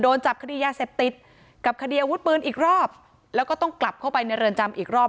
จับคดียาเสพติดกับคดีอาวุธปืนอีกรอบแล้วก็ต้องกลับเข้าไปในเรือนจำอีกรอบ